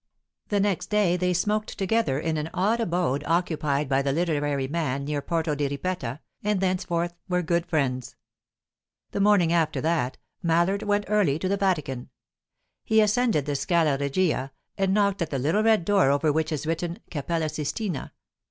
The next day they smoked together in an odd abode occupied by the literary man near Porto di Ripetta, and thenceforth were good friends. The morning after that, Mallard went early to the Vatican. He ascended the Scala Regia, and knocked at the little red door over which is written, "Cappella Sistina."